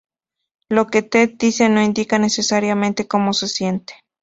Lo que Ted dice no indica necesariamente cómo se siente.